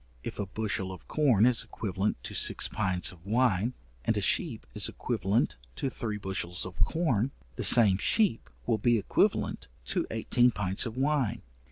If a bushel of corn is equivalent to six pints of wine, and a sheep is equivalent to three bushels of corn, the same sheep will be equivalent to eighteen pints of wine.